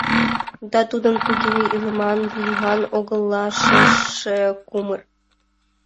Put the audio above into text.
Да тудым туге илыман Лийман огыл-ла шелше кумыр